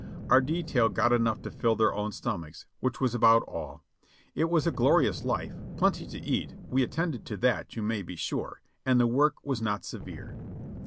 Our detail got enough to fill their own stomachs, which was about all. It was a glorious life; plenty to eat, we attended to that you may be sure, and the work was not severe.